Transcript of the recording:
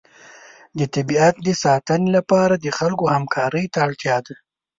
د طبیعت د ساتنې لپاره د خلکو همکارۍ ته اړتیا ده.